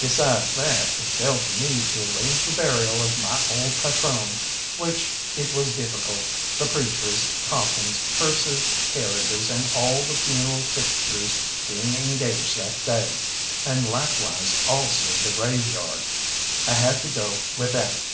Besides that, it fell to me to arrange the burial of my old patrone, which it was difficult, the preachers, coffins, hearses, carriages, and all the funeral fixtures being engaged that day, and likewise also the graveyard. I had to go without.